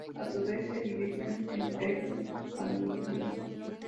A su vez se dividen en tres subfamilias.